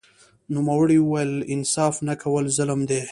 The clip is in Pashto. نوموړي وویل انصاف نه کول ظلم دی